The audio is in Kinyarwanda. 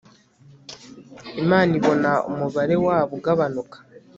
Imana ibona umubare wabo ugabanuka